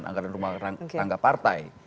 anggaran dasar dan anggaran rumah tangga partai